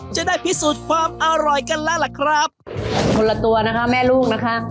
จะได้พิสูจน์ความอร่อยกันแล้วล่ะครับคนละตัวนะคะแม่ลูกนะคะ